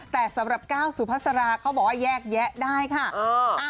แต่สำหรับก้าวสุภาษาราเขาบอกว่าแยกแยะได้ค่ะ